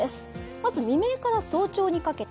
まず未明から早朝にかけて。